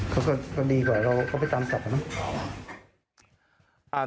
เขาก็ดีกว่าเราก็ช่วยตามทัพนะ